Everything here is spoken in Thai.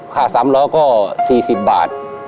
ค่าสามล้อก็สี่สี่บาท